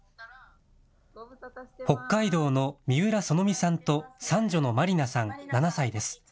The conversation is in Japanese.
北海道の三浦そのみさんと三女のまりなさん、７歳です。